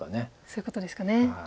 そういうことですかね。